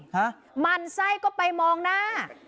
หมั่นไส้ก็ไปมองหน้า